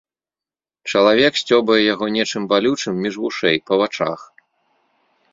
Чалавек сцёбае яго нечым балючым між вушэй, па вачах.